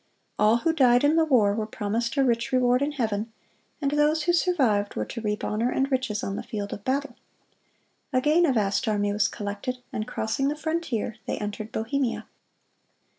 All who died in the war were promised a rich reward in heaven, and those who survived were to reap honor and riches on the field of battle. Again a vast army was collected, and crossing the frontier they entered Bohemia.